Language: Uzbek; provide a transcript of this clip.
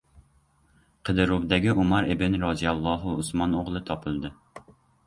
Qidiruvdagi Umar ibn Roziyalloxu Usmon o‘g‘li topildi